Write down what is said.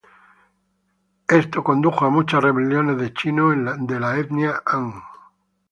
Esto condujo a muchas rebeliones de chinos de la etnia Han.